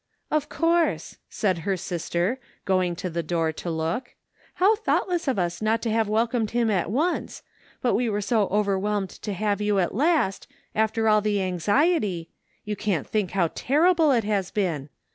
" Of course," said her sister, going to the door to look. " How thoughtless of us not to have welcomed him at once, but we were so overwhelmed to have you at last, after all the anxiety — ^you can't think how terrible it has been.